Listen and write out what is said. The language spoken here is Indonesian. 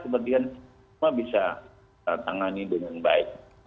kepentingan semua bisa ditangani dengan baik